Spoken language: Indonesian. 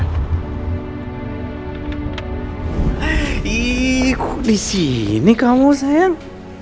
eh kok di sini kamu sayang